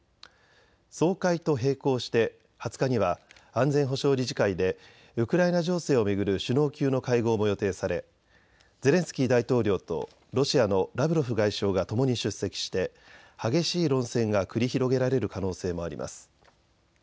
総会と並行して２０日には安全保障理事会でウクライナ情勢を巡る首脳級の会合も予定されゼレンスキー大統領とロシアのラブロフ外相がともに出席して激しい論戦が繰り広げられる可能性もあります。